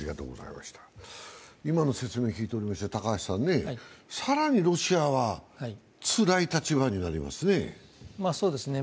今の説明を聞いておりますと、更にロシアはつらい立場になりますね。